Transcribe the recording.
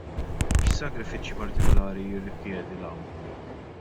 X'sagrifiċċji partikolari jirrikjedi l-għawm?